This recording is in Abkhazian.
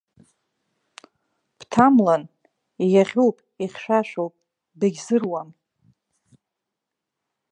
Бҭамлан, иаӷьуп, ихьшәашәоуп, бегьзыруам.